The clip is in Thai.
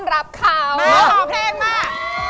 จัดจานยานวิภา